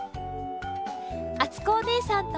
あつこおねえさんと。